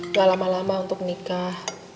gak lama lama untuk nikah